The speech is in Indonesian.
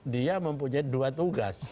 dia mempunyai dua tugas